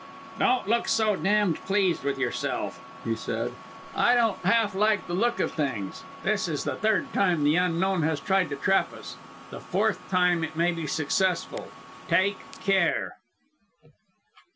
"Don't look so damned pleased with yourself," he said, "I don't half like the look of things. This is the third time the Unknown has tried to trap us the fourth time it may be successful! Take care!"